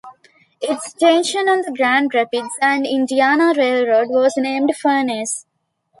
Its station on the Grand Rapids and Indiana Railroad was named "Furnace".